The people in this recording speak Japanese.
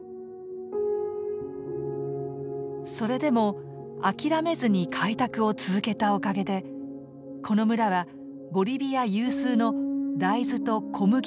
それでも諦めずに開拓を続けたおかげでこの村はボリビア有数の大豆と小麦の生産地になったんだって。